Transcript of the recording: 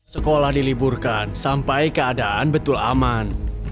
sekolah diliburkan sampai keadaan betul aman